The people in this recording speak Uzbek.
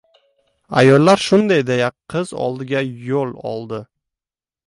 Ayollar shunday deya, qiz oldiga yo‘l oldi.